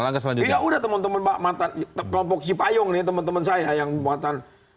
langkah selanjutnya udah teman teman mbak mantan kelompok sipayong nih teman teman saya yang buatan